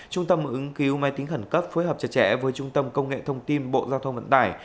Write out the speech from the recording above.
trung tâm ứng cứu máy tính khẩn cấp phối hợp chặt chẽ với trung tâm công nghệ thông tin bộ giao thông vận tải